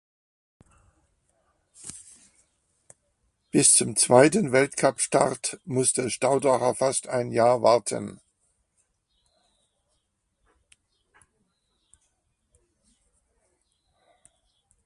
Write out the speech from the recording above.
Bis zum zweiten Weltcupstart musste Staudacher fast ein Jahr warten.